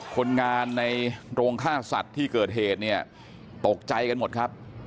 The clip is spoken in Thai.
คนงานในโรงฆ่าสัตว์ที่เกิดเหตุเนี่ยตกใจกันหมดครับ